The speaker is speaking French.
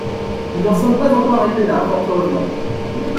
Nous n’en sommes pas encore arrivés là, fort heureusement.